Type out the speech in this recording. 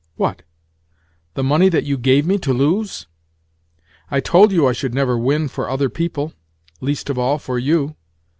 "What? The money that you gave me to lose? I told you I should never win for other people—least of all for you.